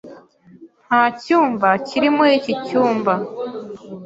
Nta cyumba kiri muri iki cyumba.